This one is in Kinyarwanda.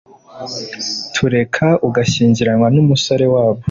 tureka ugashyingirwana n’umusore wabo